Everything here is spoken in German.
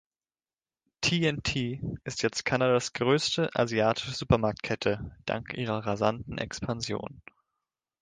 T and T ist jetzt Kanadas größte asiatische Supermarktkette, dank ihrer rasanten Expansion.